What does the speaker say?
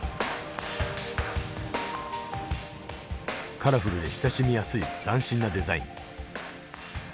カラフルで親しみやすい斬新なデザイン。